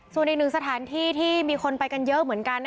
ส่วนอีกหนึ่งสถานที่ที่มีคนไปกันเยอะเหมือนกัน